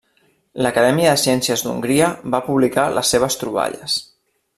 L'Acadèmia de Ciències d'Hongria va publicar les seves troballes.